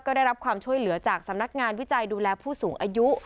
ได้รับความช่วยเหลือจากสำนักงานวิจัยดูแลผู้สูงอายุ